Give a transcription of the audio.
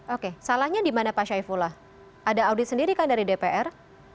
oke salahnya di mana pak syaifullah ada audit sendiri kan dari dpr